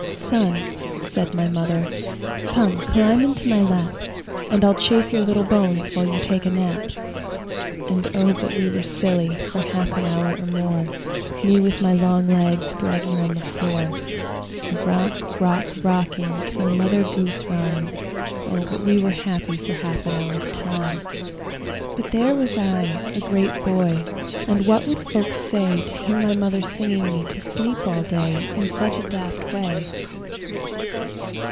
"Son," said my mother, "Come, climb into my lap, And I'll chafe your little bones While you take a nap." And, oh, but we were silly For half an hour or more, Me with my long legs Dragging on the floor, A rock rock rocking To a mother goose rhyme! Oh, but we were happy For half an hour's time! But there was I, a great boy, And what would folks say To hear my mother singing me To sleep all day, In such a daft way?